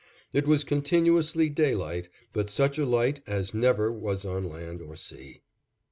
It was continuously daylight, but such a light as never was on land or sea.